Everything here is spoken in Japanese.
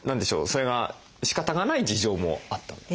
それがしかたがない事情もあった？